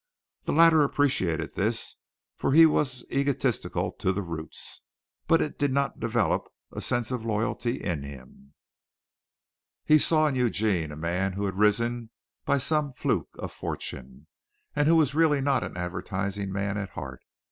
The latter appreciated this, for he was egotistic to the roots, but it did not develop a sense of loyalty in him. He saw in Eugene a man who had risen by some fluke of fortune, and who was really not an advertising man at heart.